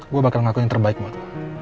gue bakal ngakuin yang terbaik buat